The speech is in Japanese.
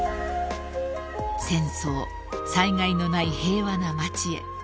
［戦争・災害のない平和な街へ］